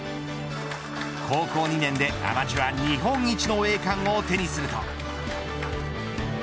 高校２年でアマチュア日本一の栄冠を手にすると。